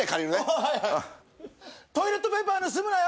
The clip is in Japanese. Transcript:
はいはいトイレットペーパー盗むなよ